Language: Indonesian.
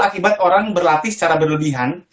akibat orang berlatih secara berlebihan